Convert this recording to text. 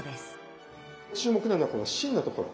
注目なのはこの芯のところ。